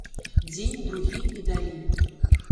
Дзень, другі і далей.